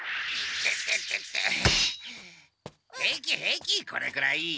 平気平気これぐらい。